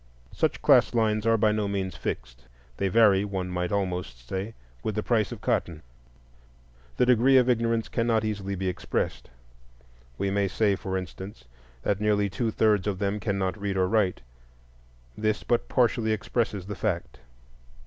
Such class lines are by no means fixed; they vary, one might almost say, with the price of cotton. The degree of ignorance cannot easily be expressed. We may say, for instance, that nearly two thirds of them cannot read or write. This but partially expresses the fact.